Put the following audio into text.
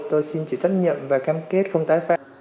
tôi xin chịu trách nhiệm và khen kết không tái phép